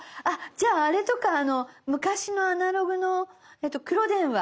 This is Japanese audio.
じゃああれとか昔のアナログの黒電話。